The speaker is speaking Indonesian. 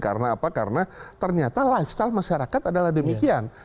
karena apa karena ternyata lifestyle masyarakat adalah demikian